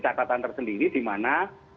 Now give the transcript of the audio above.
catatan tersendiri di mana